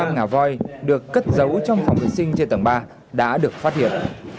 hơn năm trăm linh kg ngả voi được cất giấu trong phòng vệ sinh trên tầng ba đã được phát hiện